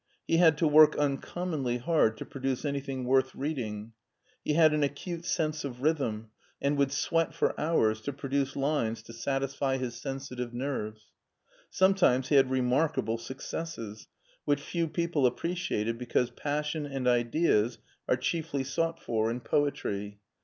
He had to work uncom monly hard to produce anything worth reading. He had an acute sense of rh)rthm, and would sweat for hours to produce lines to satisfy his sensitive nerves. Sometimes he had remarkable successes, which few people appreciated because passion and ideas are chiefly sought for in poetry.